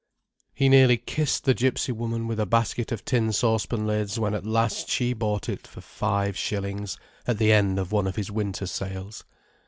He nearly kissed the gipsy woman with a basket of tin saucepan lids, when at last she bought it for five shillings, at the end of one of his winter sales.